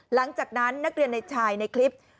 หลังจากนั้นนักเรียนในชายในคลิป